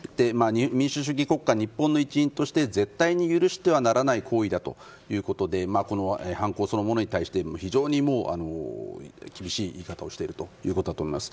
民主主義国家、日本の一員として絶対に許してはならない行為だということでこの犯行そのものに対して非常に厳しい言い方をしていると思います。